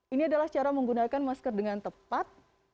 ini adalah cara menggunakan masker dengan tepat